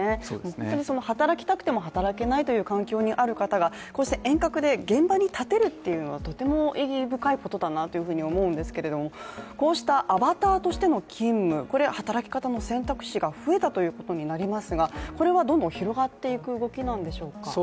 本当に働きたくても働けないという環境にある方が、こうして遠隔で現場に立てるというのはとても意義深いことだなと思うんですけれどもこうしたアバターとしての勤務、働き方の選択肢が増えたということになりますがこれはどんどん広がっていく動きなんでしょうか？